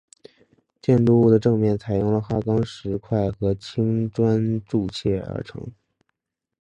建筑物的正面采用了花岗石块和青砖筑砌而成。